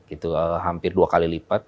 itu hampir dua kali lipat